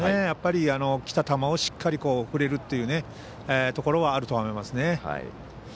やっぱり、きた球をしっかり振れるというところはあると思いますね。